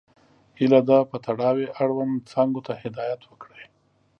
هیله ده په تړاو یې اړوند څانګو ته هدایت وکړئ.